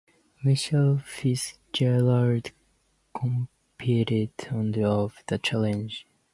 Michele Fitzgerald competed on the of "The Challenge".